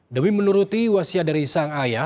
demi menuruti wasiat dari sang ayah